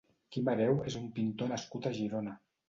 Quim Hereu és un pintor nascut a Girona.